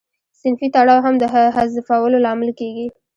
صنفي تړاو هم د حذفولو لامل کیږي.